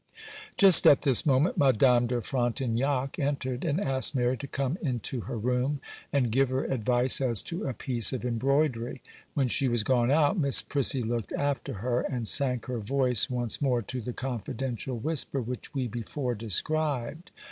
Just at this moment Madame de Frontignac entered and asked Mary to come into her room, and give her advice as to a piece of embroidery. When she was gone out, Miss Prissy looked after her, and sank her voice once more to the confidential whisper which we before described.